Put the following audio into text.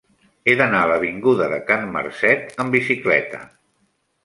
He d'anar a l'avinguda de Can Marcet amb bicicleta.